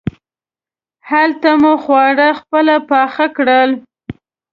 هلته مو خواړه خپله پاخه کړل.